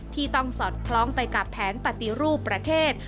ที่ต้องสอดคล้องไปกับแผนปฏิรูปประเทศ